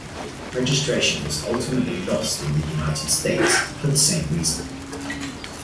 Registration was ultimately lost in the United States for the same reason.